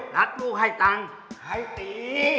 ลูกให้ตังค์ให้ตี